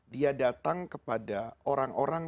dia datang kepada orang orang